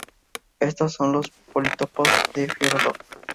Estos son los politopos de Fiódorov.